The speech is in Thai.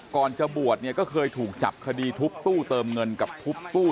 ก่อนจะบวชเนี่ยก็เคยถูกจับคดีทุบตู้เติมเงินกับทุบตู้